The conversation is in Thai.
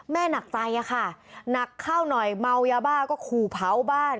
หนักใจอะค่ะหนักเข้าหน่อยเมายาบ้าก็ขู่เผาบ้าน